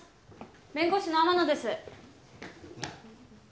弁護士の天野です。